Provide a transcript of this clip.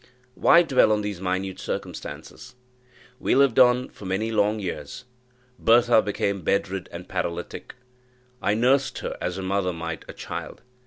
Why dwell on these minute circumstances? We lived on for many long years. Bertha became bedrid and paralytic; I nursed her as a mother might a child.